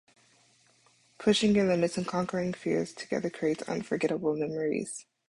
Pushing your limits and conquering fears together creates unforgettable memories.